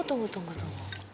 tunggu tunggu tunggu